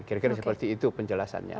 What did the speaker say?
kira kira seperti itu penjelasannya